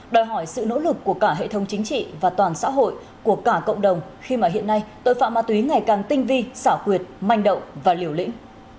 đòi hỏi sự nỗ lực của cả hệ thống chính trị và toàn xã hội của cả cộng đồng khi mà hiện nay tội phạm ma túy ngày càng tinh vi xảo quyệt manh động và liều lĩnh